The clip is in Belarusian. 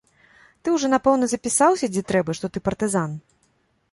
Ты ўжо, напэўна, запісаўся, дзе трэба, што ты партызан?